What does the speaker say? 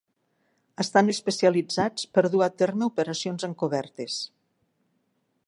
Estan especialitzats per dur a terme operacions encobertes.